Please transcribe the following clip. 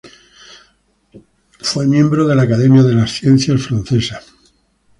Fue miembro de la Academia de las Ciencias Francesa.